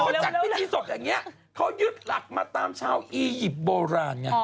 พอจากพิธีสดแบบนี้เขายึดหลักมาตามเช้าอียิปต์โบราณ